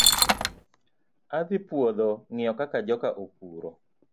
Adhii puodho ngiyo kaka joka opuro.